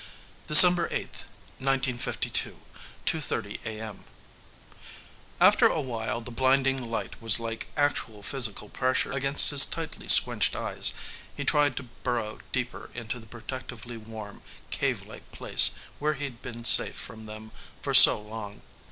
_ December 8th, 1952, Two Thirty A. M. After awhile the blinding light was like actual physical pressure against his tightly squinched eyes. He tried to burrow deeper into the protectively warm, cave like place where he'd been safe from them for so long.